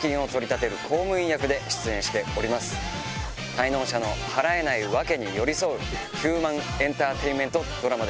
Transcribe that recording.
滞納者の払えないワケに寄り添うヒューマンエンターテインメントドラマです。